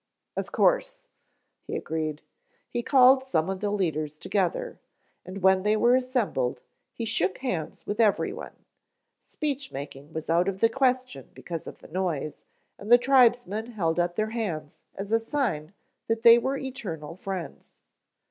"Of course," he agreed. He called some of the leaders together, and when they were assembled, he shook hands with everyone. Speechmaking was out of the question because of the noise, and the tribesmen held up their hands as a sign that they were eternal friends.